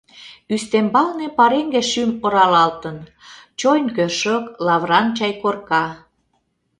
Ӱстембалне пареҥге шӱм оралалтын, чойн кӧршӧк, лавыран чай корка.